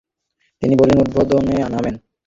তিনি বোলিং উদ্বোধনে নামেন।